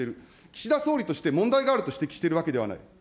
岸田総理として問題があると指摘しているわけではない。